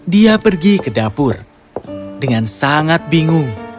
dia pergi ke dapur dengan sangat bingung